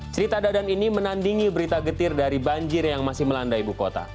cerita dadan ini menandingi berita getir dari banjir yang masih melanda ibu kota